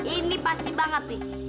ini pasti banget nih